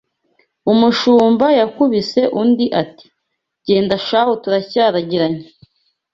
Umushumba yakubise undi ati: genda shahu turacyaragiranye